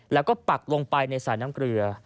แล้วก็ปักลงไปในสายน้ำเกลือ